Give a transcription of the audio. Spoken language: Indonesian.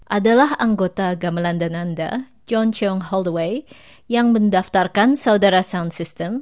adalah anggota gamelan dananda john cheong holdaway yang mendaftarkan saudara sound system